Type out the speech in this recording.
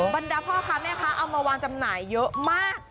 บรรดาพ่อค้าแม่ค้าเอามาวางจำหน่ายเยอะมาก